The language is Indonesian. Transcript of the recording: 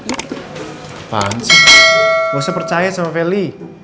apaan sih gak usah percaya sama feli